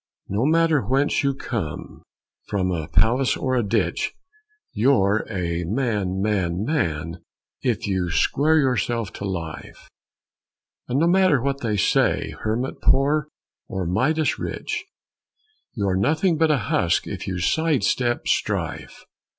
No matter whence you came, from a palace or a ditch, You're a man, man, man, if you square yourself to life; And no matter what they say, hermit poor or Midas rich, You are nothing but a husk if you sidestep strife.